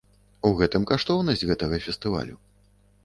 У гэтым каштоўнасць гэтага фестывалю.